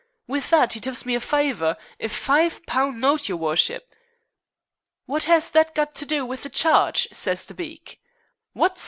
With that 'e tips me a fiver a five pun note, your wurshup.' 'What has that got to do with the charge?' says the beak. 'Wot?'